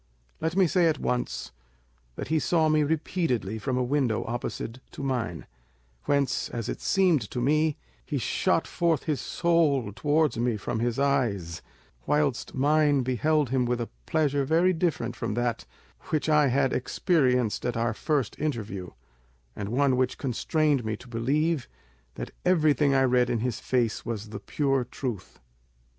Let me say at once that he saw me repeatedly from a window opposite to mine; whence, as it seemed to me, he shot forth his soul towards me from his eyes, whilst mine beheld him with a pleasure very different from that which I had experienced at our first interview, and one which constrained me to believe that everything I read in his face was the pure truth.